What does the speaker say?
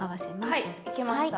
はいいけました。